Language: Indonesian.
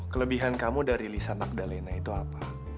kelebihan kamu dari lisa nagdalena itu apa